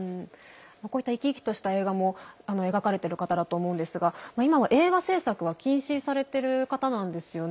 生き生きとした映画も描かれていると思うんですが今は映画制作を禁止されている方なんですよね。